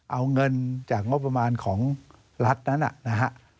เอาเงินจากงบประมาณของรัฐนั้นนะฮะ